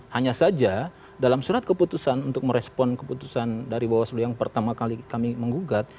hanya saja dalam surat keputusan untuk merespon keputusan dari bawaslu yang pertama kali kami menggugat